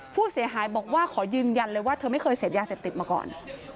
ผู้เสียหายบอกว่าขอยืนยันเลยว่าเธอไม่เคยเสพยาเสพติดมาก่อน